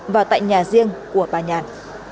và tại nhà riêng của bà nhàn